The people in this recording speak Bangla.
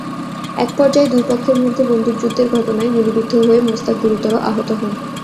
একপর্যায়ে দুই পক্ষের মধ্যে বন্দুকযুদ্ধের ঘটনায় গুলিবিদ্ধ হয়ে মোস্তাক গুরুতর আহত হন।